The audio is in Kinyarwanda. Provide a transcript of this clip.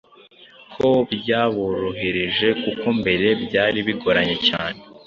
ko byaborohereje kuko mbere byari bigoranye cyane